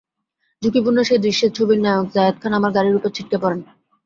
ঝুঁকিপূর্ণ সেই দৃশ্যে ছবির নায়ক জায়েদ খান আমার গাড়ির ওপরে ছিটকে পড়েন।